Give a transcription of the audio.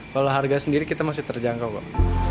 kalau harga sendiri kita masih terjangkau kok